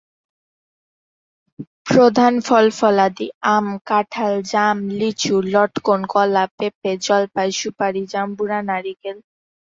প্রধান ফলফলাদি আম, কাঁঠাল, জাম, লিচু, লটকন, কলা, পেঁপে, জলপাই, সুপারি, জাম্বুরা, নারিকেল।